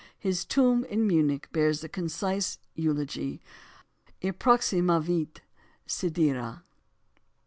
His tomb in Munich bears the concise eulogy, Approximavit sidera.